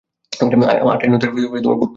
আত্রাই নদীর পূর্ব তীরে এই শহর।